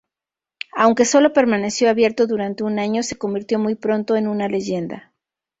Aunque sólo permaneció abierto durante un año, se convirtió muy pronto en una leyenda.